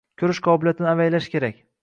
Ko‘rish qobiliyatini avaylash kerak!